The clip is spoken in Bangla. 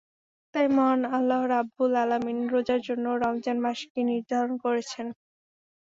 তাই মহান আল্লাহ রাব্বুল আলামিন রোজার জন্য রমজান মাসকেই নির্ধারণ করেছেন।